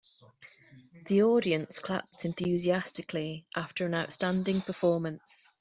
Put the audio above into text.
The audience clapped enthusiastically after an outstanding performance.